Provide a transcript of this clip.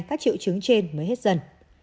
các triệu chứng trên mới hết dần